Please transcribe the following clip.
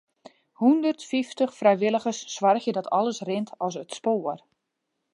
Hûndertfyftich frijwilligers soargje dat alles rint as it spoar.